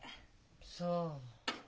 そう。